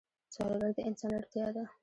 سوالګر د انسان اړتیا ده